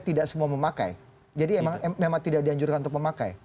tidak semua memakai jadi memang tidak dianjurkan untuk memakai